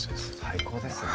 最高ですね